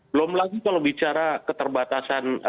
belum lagi kalau bicara keterbatasan